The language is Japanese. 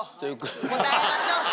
答えましょう。